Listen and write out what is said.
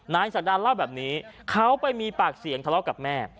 ศักดาเล่าแบบนี้เขาไปมีปากเสียงทะเลาะกับแม่